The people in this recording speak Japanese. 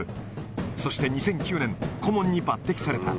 そして２００９年、顧問に抜てきされた。